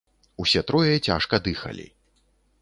Усе трое цяжка дыхалі.